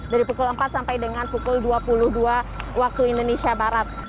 dari pukul empat sampai dengan pukul dua puluh dua waktu indonesia barat